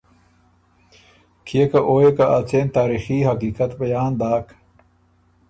کيې که او يې که ا څېن تاریخي حقیقت بیان داک،